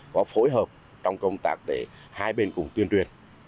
có phối hợp trong công tác để hai bên cùng tuyên truyền